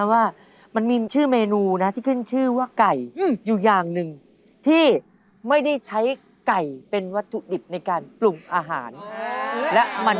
แต่เมนูไก่นี่มีมากมายเลย